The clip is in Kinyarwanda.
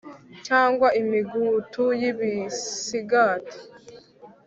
cyangwa imigutu y'ibisigati